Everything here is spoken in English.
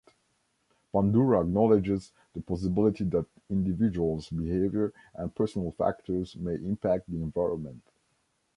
Bandura acknowledges the possibility that individual's behavior and personal factors may impact the environment.